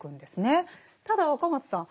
ただ若松さん